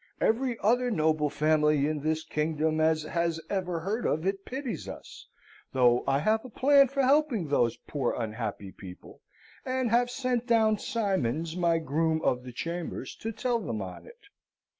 Every other noble family in this kingdom as has ever heard of it pities us; though I have a plan for helping those poor unhappy people, and have sent down Simons, my groom of the chambers, to tell them on it.'